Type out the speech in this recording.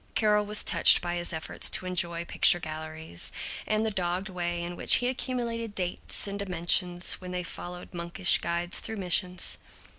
Carol was touched by his efforts to enjoy picture galleries, and the dogged way in which he accumulated dates and dimensions when they followed monkish guides through missions.